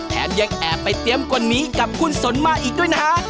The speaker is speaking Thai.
แถมยังแอบไปเตรียมคนนี้กับคุณสนมาอีกด้วยนะฮะ